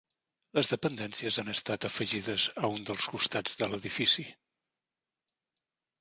Les dependències han estat afegides a un dels costats de l'edifici.